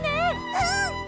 うん！